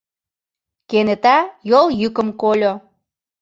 Кенета йол йӱкым кольо.